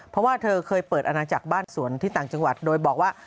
เพราะว่าเธอเคยเปิดอาณาจักรบ้านสวนที่ต่างจังหวัดโดยบอกว่า